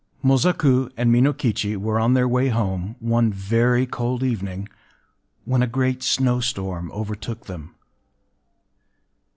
Mosaku and Minokichi were on their way home, one very cold evening, when a great snowstorm overtook them.